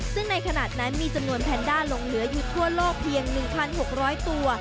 ซึ่งในขณะนั้นมีจำนวนแพนด้าลงเหลืออยู่ทั่วโลกเพียง๑๖๐๐ตัว